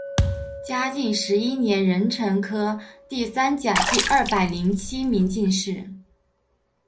嘉靖十一年壬辰科第三甲第二百零七名进士。